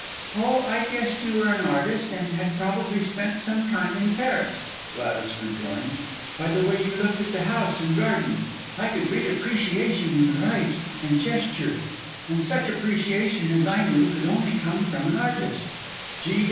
"Oh! I guessed you were an artist and had probably spent some time in Paris" Gladys rejoined, "by the way you looked at the house and garden. I could read appreciation in your eyes and gesture; such appreciation, as I knew, could only come from an artist.